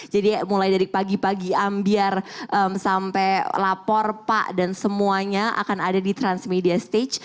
jadi mulai dari pagi pagi ambiar sampai lapor pak dan semuanya akan ada di transmedia stage